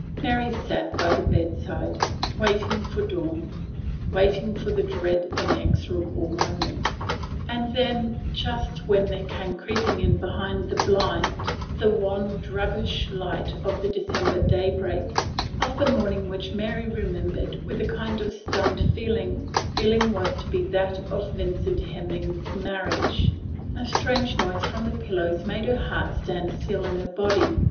Mary sat by the bedside, waiting for the dawn, waiting for the dread inexorable moment. And then, just when there came creeping in behind the blind the wan, drabbish light of the December daybreak —of the morning which Mary remembered with a kind of stunned feeling was to be that of Vincent Hemming's marriage— a strange noise from the pillows made her heart stand still in her body.